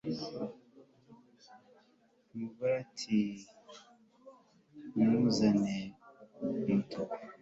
umugore ati mumuzane, umutuku